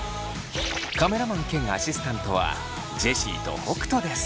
カメラマン兼アシスタントはジェシーと北斗です。